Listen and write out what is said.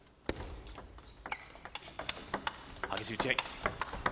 激しい打ち合い。